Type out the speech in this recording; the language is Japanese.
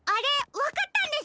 わかったんですか？